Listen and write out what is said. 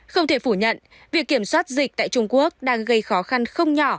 không thể phủ nhận việc kiểm soát dịch tại trung quốc đang gây khó khăn không nhỏ